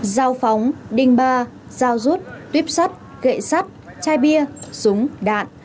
giao phóng đình ba giao rút tuyếp sắt gậy sắt chai bia súng đạn